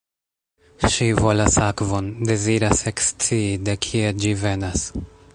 Ŝi volas akvon — deziras ekscii de kie ĝi venas.